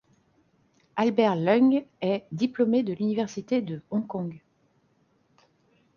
Albert Leung est diplômé de l'Université de Hong Kong.